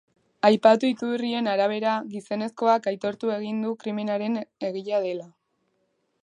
Aipatu iturrien arabera, gizonezkoak aitortu egin du krimenaren egilea dela.